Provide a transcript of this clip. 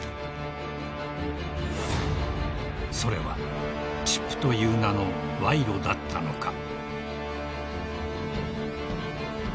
［それはチップという名の賄賂だったのか］